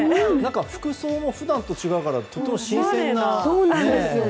服装も普段と違うから新鮮な。